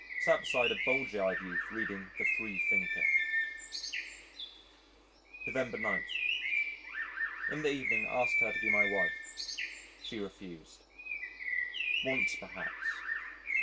Sat beside a bulgy eyed youth reading the Freethinker. November 9. In the evening asked her to be my wife. She refused. Once perhaps